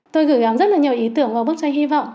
tôi gửi gắm rất là nhiều ý tưởng vào bức tranh hy vọng